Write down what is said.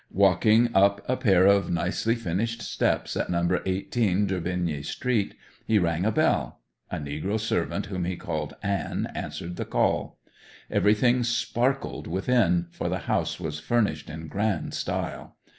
Walking up a pair of nicely finished steps at No. 18 Derbigny street, he rang a bell. A negro servant whom he called "Ann," answered the call. Everything sparkled within, for the house was furnished in grand style.